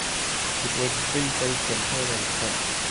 It was built by Kemper and Son.